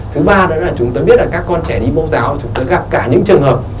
thứ ba đó là chúng ta biết là các con trẻ đi bố giáo chúng ta gặp cả những trường hợp